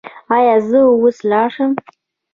ایا زه اوس لاړ شم؟